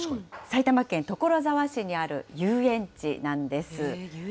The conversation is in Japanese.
埼玉県所沢市にある遊園地なんです。